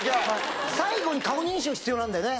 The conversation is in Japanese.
最後に顔認証必要なんだよね。